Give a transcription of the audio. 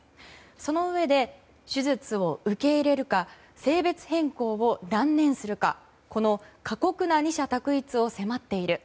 そのうえで、手術を受け入れるか性別変更を断念するかこの過酷な二者択一を迫っている。